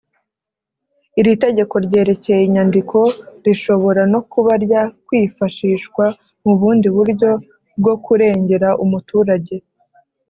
Iri tegeko ryerekeye inyandiko rishobora no kuba rya kwifashishwa mu bundi buryo bwo kurengera umuturage